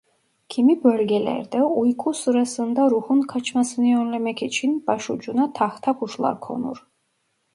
Kimi bölgelerde uyku sırasında ruhun kaçmasını önlemek için başucuna tahta kuşlar konur.